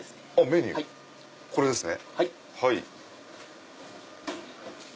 メニューこれですね。